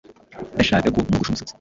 dashaka ko nogosha umusatsi.